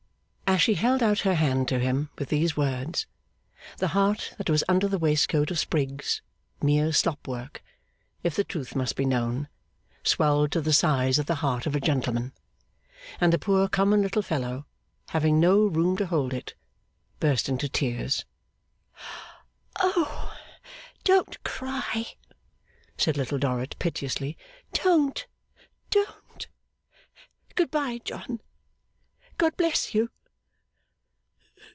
As she held out her hand to him with these words, the heart that was under the waistcoat of sprigs mere slop work, if the truth must be known swelled to the size of the heart of a gentleman; and the poor common little fellow, having no room to hold it, burst into tears. 'Oh, don't cry,' said Little Dorrit piteously. 'Don't, don't! Good bye, John. God bless you!